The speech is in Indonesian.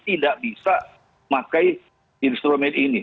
tidak bisa pakai instrumen ini